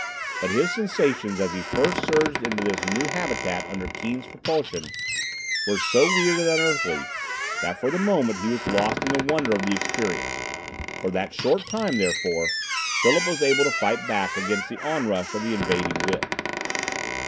But his sensations as he first surged into this new habitat under Keane's propulsion were so weird and unearthly that for the moment he was lost in the wonder of the experience. For that short time, therefore, Philip was able to fight back against the onrush of the invading will.